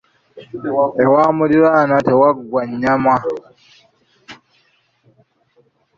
Ewa muliraanwa tewaggwa nnyama.